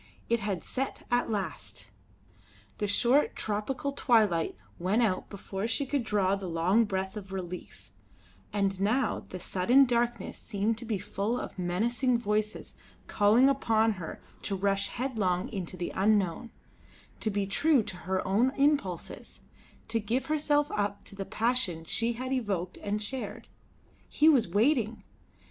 It had set at last! The short tropical twilight went out before she could draw the long breath of relief; and now the sudden darkness seemed to be full of menacing voices calling upon her to rush headlong into the unknown; to be true to her own impulses, to give herself up to the passion she had evoked and shared. He was waiting!